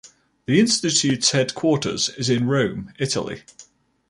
The Institutes headquarters is in Rome, Italy.